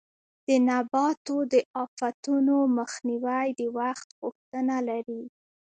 د نباتو د آفتونو مخنیوی د وخت غوښتنه لري.